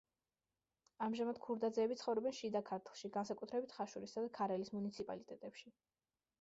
ამჟამად ქურდაძეები ცხოვრობენ შიდა ქართლში, განსაკუთრებით ხაშურისა და ქარელის მუნიციპალიტეტებში.